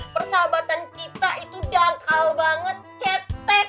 persahabatan kita itu dangkal banget cetek